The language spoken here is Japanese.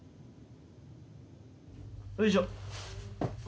よいしょ。